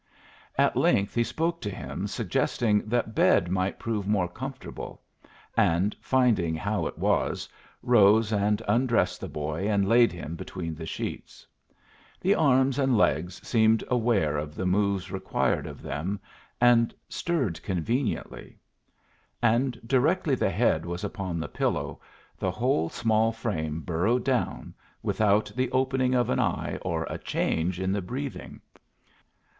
At length he spoke to him, suggesting that bed might prove more comfortable; and, finding how it was, rose and undressed the boy and laid him between the sheets. The arms and legs seemed aware of the moves required of them, and stirred conveniently; and directly the head was upon the pillow the whole small frame burrowed down, without the opening of an eye or a change in the breathing.